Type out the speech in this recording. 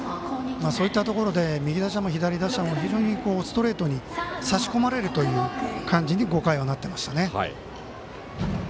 そういったところで右打者も左打者も非常にストレートに差し込まれるという感じに５回は、なってましたね。